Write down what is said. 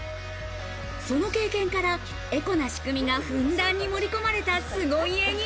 その経験からエコな仕組みがふんだんに盛り込まれた凄家に。